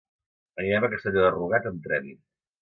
Anirem a Castelló de Rugat amb tren.